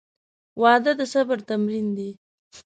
• واده د صبر تمرین دی.